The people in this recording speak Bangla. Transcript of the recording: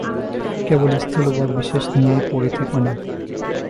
কেবল স্থূল বা বিশেষ নিয়েই পড়ে থেকো না।